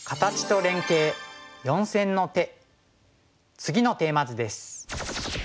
次のテーマ図です。